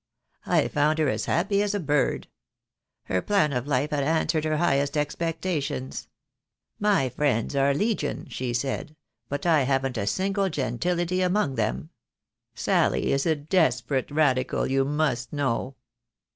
I found her as happy as a bird. Her plan of life had an swered her highest expectations. 'My friends are legion,' she said, 'but I haven't a single gentility among them.' Sally is a desperate Radical, you must know."